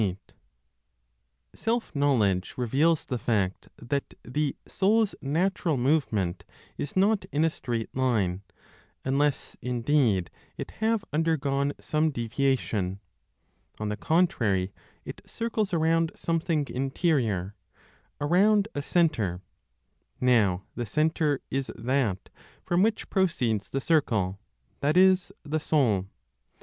Self knowledge reveals the fact that the soul's natural movement is not in a straight line, unless indeed it have undergone some deviation. On the contrary, it circles around something interior, around a centre. Now the centre is that from which proceeds the circle, that is, the soul.